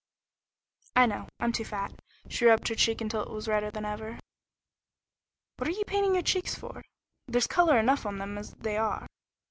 "I know. I'm too fat." She rubbed her cheek until it was redder than ever. "What are you painting your cheeks for? There's color enough on them as they are."